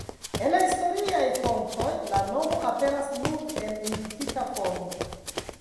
En la historiaj fontoj la nomo aperas nur en indikita formo.